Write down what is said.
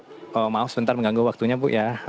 bu made maaf sebentar mengganggu waktunya bu ya